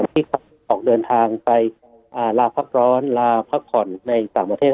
ที่เขาออกเดินทางไปลาพักร้อนลาพักผ่อนในสามเมือง